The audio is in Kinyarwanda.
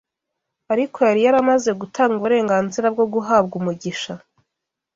Ariko yari yaramaze gutanga uburenganzira bwo guhabwa umugisha